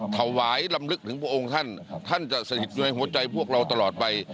ถวายลำลึกถึงพระองค์ท่านท่านจะสถิตในหัวใจพวกเราตลอดไป